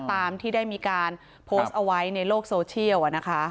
ตามที่ได้มีการโพสต์เอาไว้ในโลกโซเชียล